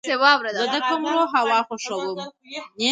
زه د کمرو هوا خوښوم.